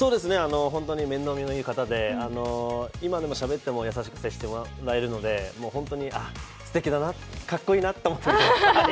本当に面倒みのいい方で、今でもしゃべっても優しく接してもらえるので、本当にあ、素敵だな、かっこいいなと思って。